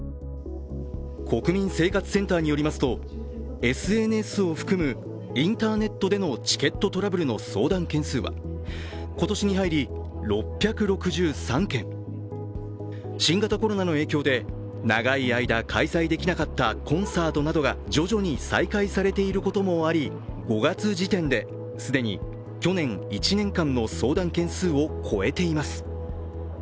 国民生活センターによりますとＳＮＳを含むインターネットでのチケットトラブルの相談件数は今年に入り６６３件、新型コロナの影響で長い間、開催できなかったコンサートなどが徐々に再開されていることもあり５月時点で既に去年１年間の相談件数を超えています。